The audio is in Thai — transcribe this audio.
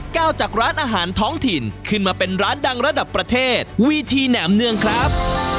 จากร้านอาหารท้องถิ่นขึ้นมาเป็นร้านดังระดับประเทศวีทีแหนมเนืองครับ